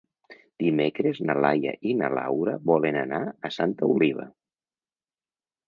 Dimecres na Laia i na Laura volen anar a Santa Oliva.